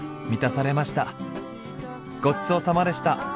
ごちそうさまでした！